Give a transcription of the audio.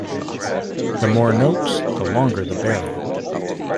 The more notes, the longer the barrel.